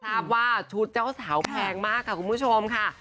ทราบว่าชุดเจ้าสาวแพงมากค่ะคุณผู้ชมค่ะ